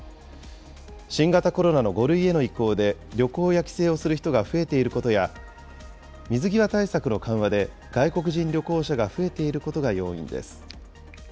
新型コロナの５類への移行で旅行や帰省をする人が増えていることや、水際対策の緩和で、外国人旅行者が増えていることが要因です。